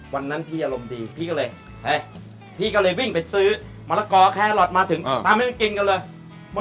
วันนั้นพี่อารมณ์ดีพี่ก็เลยพี่ก็เลยวิ่งไปซื้อมะละกอแครอทมาถึงทำให้มันกินกันเลย